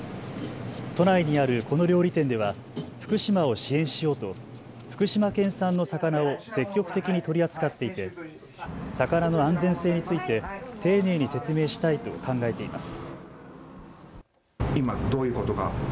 都内にあるこの料理店では福島を支援しようと福島県産の魚を積極的に取り扱っていて魚の安全性について丁寧に説明したいと考えています。